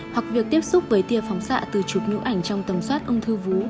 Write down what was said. hoặc việc tiếp xúc với tia phóng xạ từ chụp nhũ ảnh trong tầm soát ung thư vú